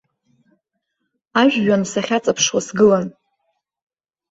Ажәҩан сахьаҵаԥшуа сгылан.